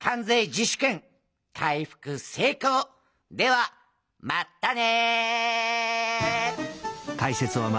ではまたね！